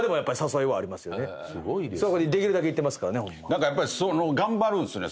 何かやっぱり頑張るんすよね